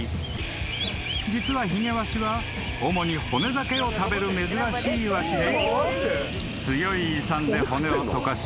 ［実はヒゲワシは主に骨だけを食べる珍しいワシで］